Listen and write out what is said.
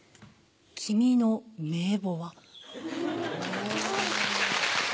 「君の名簿は。」。